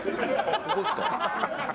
ここですか？